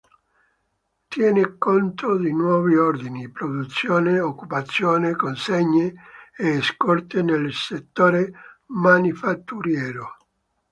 Tiene conto di nuovi ordini, produzione, occupazione, consegne e scorte nel settore manifatturiero.